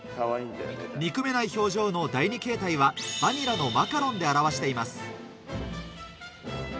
憎めない表情の第２形態はバニラのマカロンで表しています